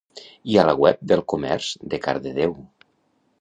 I a la web del comerç de Cardedeu